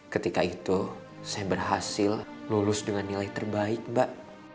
ketika itu saya berhasil lulus dengan nilai terbaik mbak